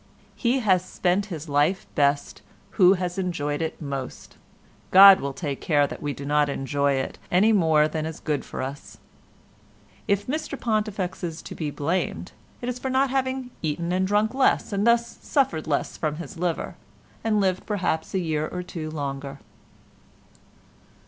He has spent his life best who has enjoyed it most; God will take care that we do not enjoy it any more than is good for us. If Mr Pontifex is to be blamed it is for not having eaten and drunk less and thus suffered less from his liver, and lived perhaps a year or two longer.